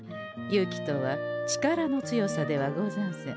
勇気とは力の強さではござんせん。